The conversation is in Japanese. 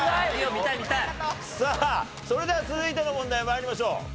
さあそれでは続いての問題参りましょう。